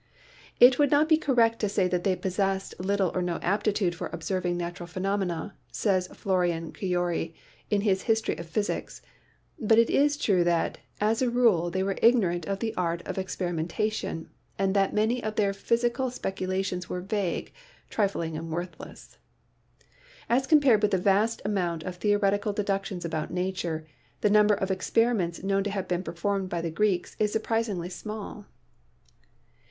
"It would not be correct to say that they possessed little or no aptitude for observing natural phenomena," says Florian Cajori in his 'History of Physics,' "but it is true that as a rule, they were ignorant of the art of experimentation and that many of their physical speculations were vague, trifling and worthless. As compared with the vast amount of theoretical deduction about nature, trie number of experi ments known to have been performed by the Greeks is surprisingly small.